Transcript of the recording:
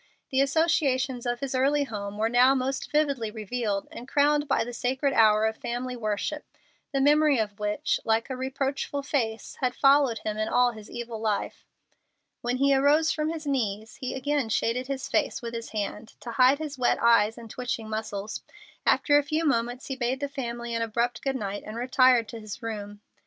The associations of his early home were now most vividly revealed and crowned by the sacred hour of family worship, the memory of which, like a reproachful face, had followed him in all his evil life. When he arose from his knees he again shaded his face with his hand to hide his wet eyes and twitching muscles. After a few moments he bade the family an abrupt goodnight, and retired to his room.